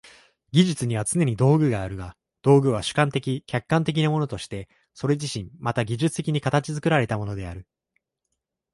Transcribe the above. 技術にはつねに道具があるが、道具は主観的・客観的なものとしてそれ自身また技術的に形作られたものである。